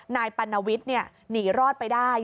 นายปัณณวิทย์เนี่ยหนีรอดไปได้